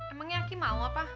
emangnya aki mau apa